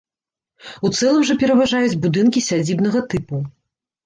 У цэлым жа пераважаюць будынкі сядзібнага тыпу.